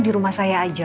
di rumah saya aja